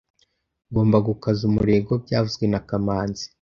Ngomba gukaza umurego byavuzwe na kamanzi